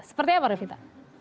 seperti apa revita